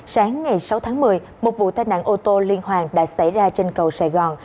sáng ngày sáu tháng một mươi một vụ tai nạn ô tô liên hoàn đã xảy ra trên cầu sài gòn